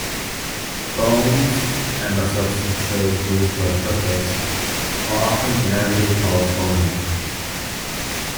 Bones, and the substances used for the purpose, are often generically called boning.